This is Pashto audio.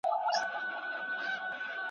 خر د هري ورځي بار ته په کاریږي `